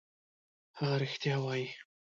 هغه رښتیا وايي.